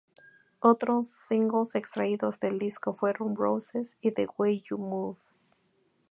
Otros singles extraídos del disco fueron "Roses" y "The Way You Move".